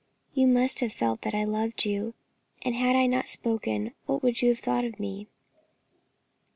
You must have felt that I loved you, and had I not spoken, what would you have thought of me?"